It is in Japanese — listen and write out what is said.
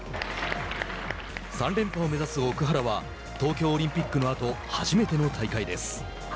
３連覇を目指す奥原は東京オリンピックのあと初めての大会です。